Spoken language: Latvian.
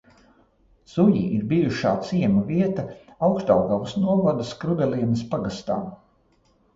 Zuji ir bijušā ciema vieta Augšdaugavas novada Skrudalienas pagastā.